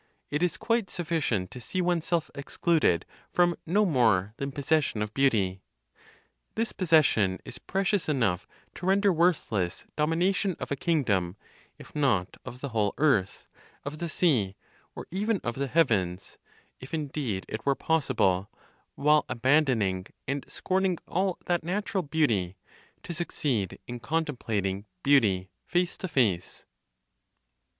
It is quite sufficient to see oneself excluded from no more than possession of beauty. This possession is precious enough to render worthless domination of a kingdom, if not of the whole earth, of the sea, or even of the heavens if indeed it were possible, while abandoning and scorning all that (natural beauty), to succeed in contemplating beauty face to face.